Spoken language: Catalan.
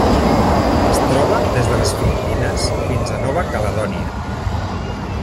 Es troba des de les Filipines fins a Nova Caledònia.